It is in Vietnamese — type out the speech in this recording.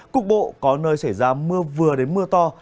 cục bộ có nơi xảy ra mưa vừa đến mưa to